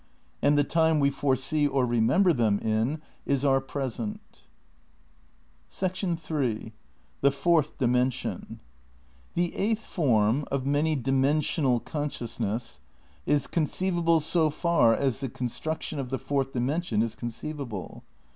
And the time we foresee or remember them in is our present. iii The eighth form, of many dimensional consciousness, is conceivable so far as the construction of the Fourth The Dimension is conceivable.